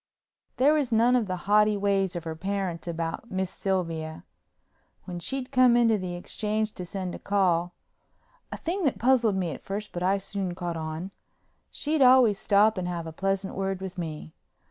There was none of the haughty ways of her parents about Miss Sylvia. When she'd come into the exchange to send a call (a thing that puzzled me first but I soon caught on) she'd always stop and have a pleasant word with me.